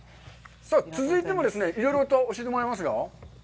さあ、続いてもですね、いろいろと教えてもらいますよ。